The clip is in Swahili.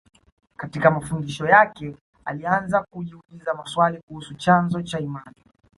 Katika mafundisho yake alianza kujiuliza maswali kuhusu chanzo cha imani